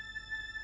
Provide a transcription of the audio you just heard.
aku sudah berjalan